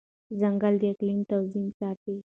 ځنګل د اقلیم توازن ساتي.